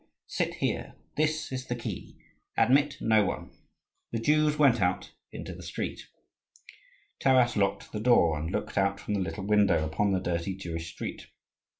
Sit here: this is the key; admit no one." The Jews went out into the street. Taras locked the door, and looked out from the little window upon the dirty Jewish street.